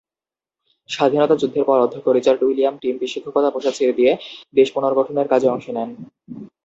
স্বাধীনতা যুদ্ধের পর অধ্যক্ষ রিচার্ড উইলিয়াম টিম শিক্ষকতা পেশা ছেড়ে দিয়ে দেশ পুনর্গঠনের কাজে অংশ নেন।